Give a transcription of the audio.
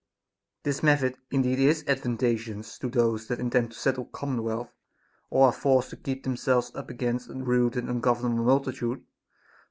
This method indeed is advantageous to those that intend to settle a com monwealth, or are forced to keep themselves up against a rude and ungovernable multitude ; for.